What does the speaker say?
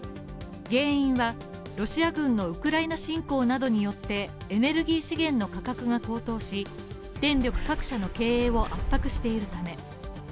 原因はロシア軍のウクライナ侵攻などによってエネルギー資源の価格が高騰し電力各社の経営を圧迫しているため。